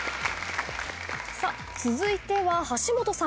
さあ続いては橋本さん。